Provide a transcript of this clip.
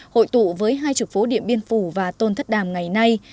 hội tụ với hai chục phố điện biên phủ và tôn thất đàm ngày nay